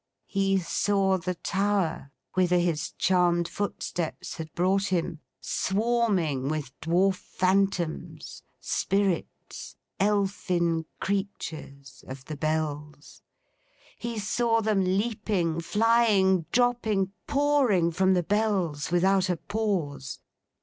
He saw the tower, whither his charmed footsteps had brought him, swarming with dwarf phantoms, spirits, elfin creatures of the Bells. He saw them leaping, flying, dropping, pouring from the Bells without a pause.